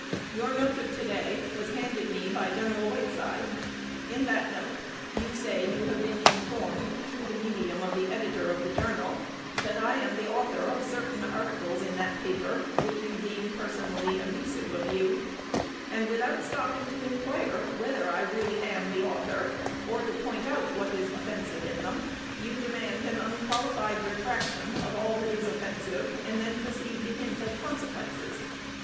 Your note of to day was handed me by Gen. Whiteside. In that note, you say you have been informed, through the medium of the editor of "The Journal," that I am the author of certain articles in that paper which you deem personally abusive of you; and, without stopping to inquire whether I really am the author, or to point out what is offensive in them, you demand an unqualified retraction of all that is offensive, and then proceed to hint at consequences.